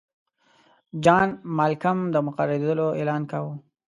جان مالکم د مقررېدلو اعلان کاوه.